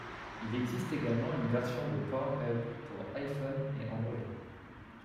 Il existe également une version de Pornhub pour iPhone et Android.